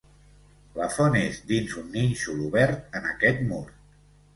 La font és dins un nínxol obert en aquest mur.